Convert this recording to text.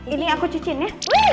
ini aku cucin ya